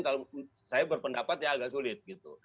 kalau saya berpendapat ya agak sulit gitu